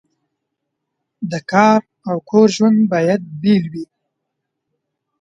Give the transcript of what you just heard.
د کار او کور ژوند باید بیل وي.